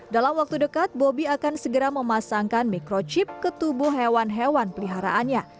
dalam waktu dekat bobby akan segera memasangkan microchip ke tubuh hewan hewan peliharaannya